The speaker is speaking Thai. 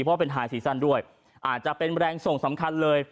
เพราะเป็นไฮซีซั่นด้วยอาจจะเป็นแรงส่งสำคัญเลย